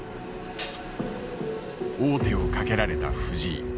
王手をかけられた藤井。